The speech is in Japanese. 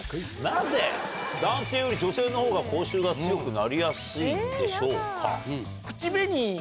なぜ男性より女性の方が口臭が強くなりやすいんでしょうか？